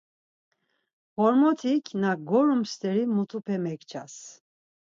Ğormotik na gorum steri mutupe mekças